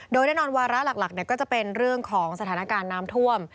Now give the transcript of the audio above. โดยแน่นอนวาระหลักก็จะเป็นเรื่องของสถานการณ์น้ำท่วม